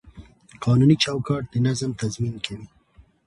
قانوني چوکاټ د نظم تضمین کوي.